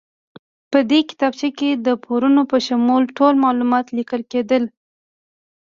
په دې کتابچه کې د پورونو په شمول ټول معلومات لیکل کېدل.